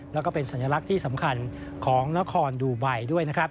แล้วก็เป็นสัญลักษณ์ที่สำคัญของนครดูไบด้วยนะครับ